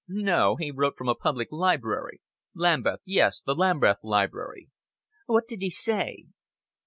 "No, he wrote from a public library. Lambeth yes, the Lambeth Library." "What did he say?"